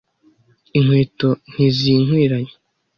Inkweto ntizinkwiranye.